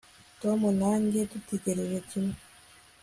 tom na njye dutekereza kimwe